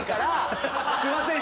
すいません！